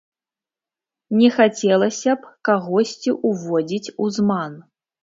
Не хацелася б кагосьці ўводзіць у зман.